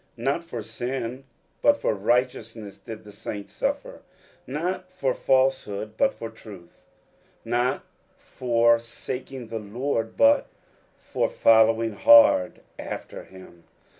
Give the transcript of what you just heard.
Not for sin hut for righteousness did the saints suffer, not for falsehood but for truth, not for for saking the Lord but for following hard after him.